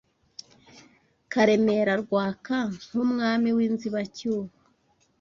Karemera Rwaka nk’Umwami w’inzibacyuho